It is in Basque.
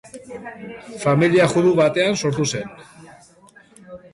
Familia judu batean sortu zen.